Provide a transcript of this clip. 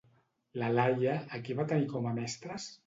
La Laia, a qui va tenir com a mestres?